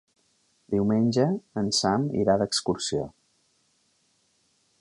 Diumenge en Sam irà d'excursió.